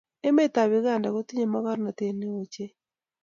Emet ab Uganda kotinye mokornote ne oo ochei.